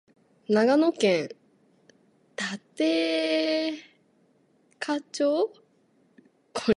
長野県立科町